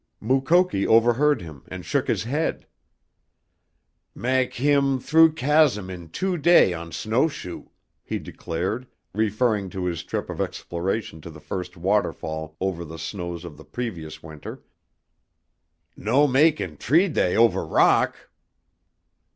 Mukoki overheard him and shook his head. "Mak' heem through chasm in two day on snow shoe," he declared, referring to his trip of exploration to the first waterfall over the snows of the previous winter. "No mak' in t'ree day over rock!"